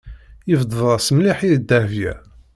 Yebded-as mliḥ i Dahbiya.